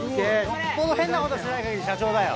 よっぽど変なことしないかぎり社長だよ。